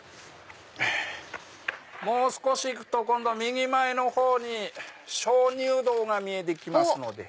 もう少し行くと今度右前のほうに鍾乳洞が見えて来ますので。